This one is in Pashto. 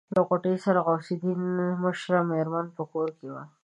له غوټۍ سره د غوث الدين مشره مېرمن په کور کې وه.